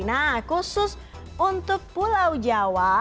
nah khusus untuk pulau jawa